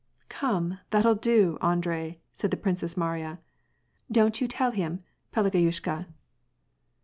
"Come, that'll do, Andrei," said the Princess Mariya. "Don't you tell him, Pelageyushka